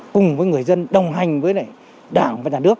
cùng với người dân đồng hành với đảng và nhà nước